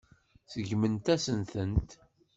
Tseggmem-asent-tent.